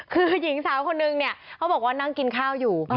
คือหญิงสาวคนนึงเนี่ยเขาบอกว่านั่งกินข้าวอยู่